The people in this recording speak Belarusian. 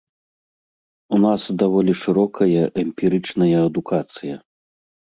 У нас даволі шырокая эмпірычная адукацыя.